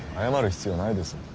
謝る必要ないです。